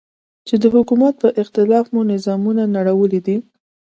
چې د حکومت په اختلاف مو نظامونه نړولي دي.